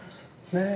ねえ。